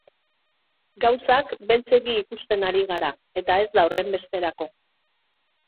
Gauzak beltzegi ikusten ari gara, eta ez da horrenbesterako.